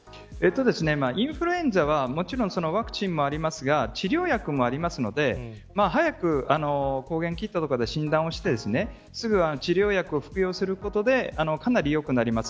インフルエンザはもちろんワクチンもありますが治療薬もあるので早く抗原キットとかで診断をしてすぐ治療薬を服用することでかなり良くなります。